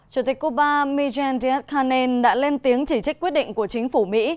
chủ tịch cuba miguel díaz canel đã lên tiếng chỉ trích quyết định của chính phủ mỹ